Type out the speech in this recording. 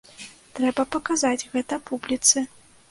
Трэба паказаць гэта публіцы!